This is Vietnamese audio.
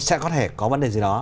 sẽ có thể có vấn đề gì đó